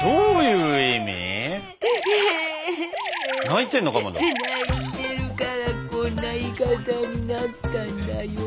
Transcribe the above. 泣いてるからこんな言い方になったんだよ。